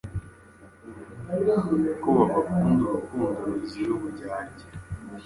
ko babakunda urukundo ruzira uburyarya